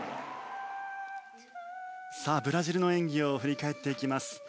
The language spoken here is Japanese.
ブラジルの演技を振り返っていきます。